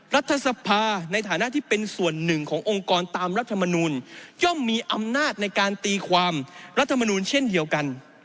รัฐสภาในฐานะที่เป็นส่วนหนึ่งขององค์กรตามรัฐมนูลย่อมมีอำนาจในการตีความรัฐมนูลเช่นเดียวกัน